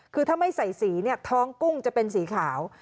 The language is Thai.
คือถ้าไม่ใส่สีเนี่ยท้องกุ้งจะเป็นสีขาว